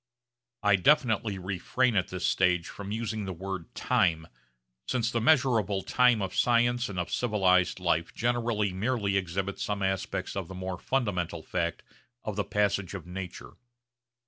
I definitely refrain at this stage from using the word 'time,' since the measurable time of science and of civilised life generally merely exhibits some aspects of the more fundamental fact of the passage of nature.